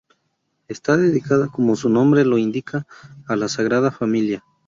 Está dedicada como su nombre lo indica a la Sagrada Familia.